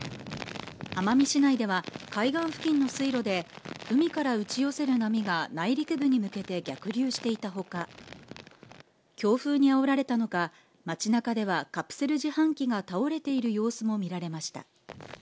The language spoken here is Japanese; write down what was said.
奄美市内では海岸付近の水路で海から打ち寄せる波が内陸部に向けて逆流していたほか強風にあおられたのか街中ではカプセル自販機が倒れている様子も見られました。